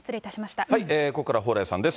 ここからは蓬莱さんです。